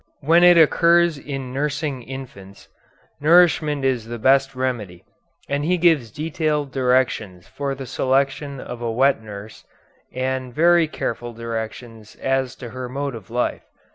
When it occurs in nursing infants, nourishment is the best remedy, and he gives detailed directions for the selection of a wet nurse, and very careful directions as to her mode of life.